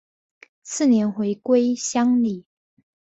次年回归乡里。